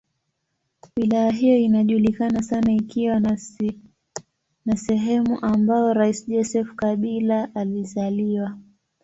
Wilaya hiyo inajulikana sana ikiwa ni sehemu ambayo rais Joseph Kabila alizaliwa.